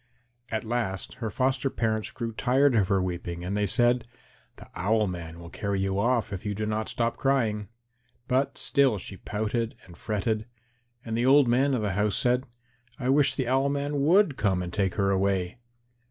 At last her foster parents grew tired of her weeping and they said, "The Owl man will carry you off if you do not stop crying." But still she pouted and fretted. And the old man of the house said, "I wish the Owl man would come and take her away."